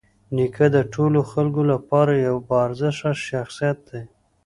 نیکه د ټولو خلکو لپاره یوه باارزښته شخصیت دی.